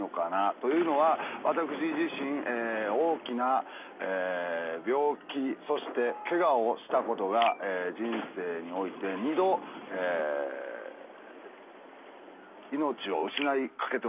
というのは私自身大きな病気そしてケガをしたことが人生において２度命を失いかけております。